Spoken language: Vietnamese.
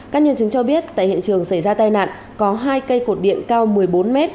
các nhân chứng cho biết tại hiện trường xảy ra tai nạn có hai cây cột điện cao một mươi bốn mét